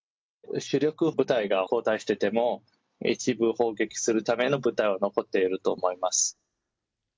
主力部隊が後退してても、一部砲撃するための部隊は残っていると思います。